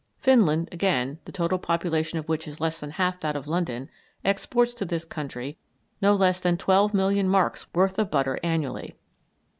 Finland, again, the total population of which is less than half that of London, exports to this country no less than 12 million marks' worth of butter annually.